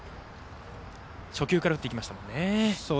初球から打っていきましたね。